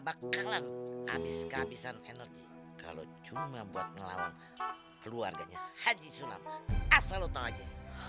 bakalan habis habisan energi kalau cuma buat melawan keluarganya haji sulam asal ototnya